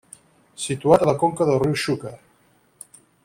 Situat a la conca del riu Xúquer.